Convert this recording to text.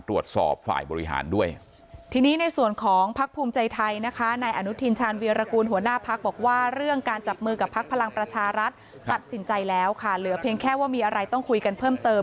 ตัดสินใจแล้วค่ะเหลือเพียงแค่ว่ามีอะไรต้องคุยกันเพิ่มเติม